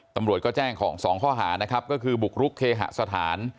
ตำรวจก็แจ้ง๒ข้อหานะครับก็คือบุกรุกเคหสถาน